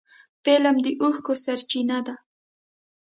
فلم د اوښکو سرچینه ده